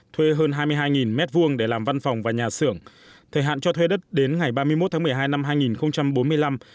thuê hơn hai mươi hai m hai để làm văn phòng và nhà xưởng thời hạn cho thuê đất đến ngày ba mươi một tháng một mươi hai năm hai nghìn bốn mươi năm